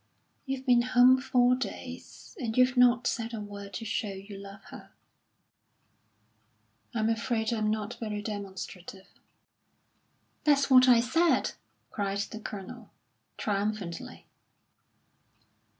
"You've been home four days, and you've not said a word to show you love her." "I'm afraid I'm not very demonstrative." "That's what I said!" cried the Colonel, triumphantly.